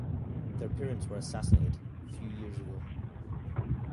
Their parents were assassinated few years ago.